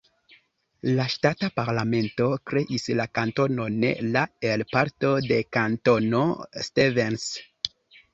La ŝtata parlamento kreis la kantonon la el parto de Kantono Stevens.